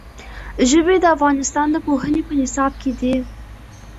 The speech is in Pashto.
ژبې د افغانستان د پوهنې په نصاب کې دي.